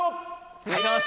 お願いします。